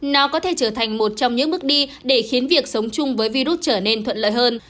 nó có thể trở thành một trong những bước đi để khiến việc sống chung với virus trở nên thuận lợi hơn